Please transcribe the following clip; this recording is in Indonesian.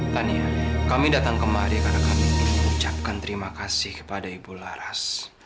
tanya kami datang kemari karena kami ingin mengucapkan terima kasih kepada ibu laras